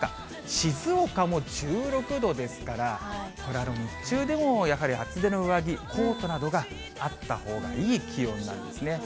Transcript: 静岡も１６度ですから、これ、日中でもやはり厚手の上着、コートなどがあったほうがいい気温なんですね。